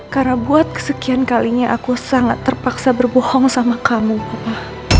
karena buat kesekian kalinya aku sangat terpaksa berbohong sama kamu papa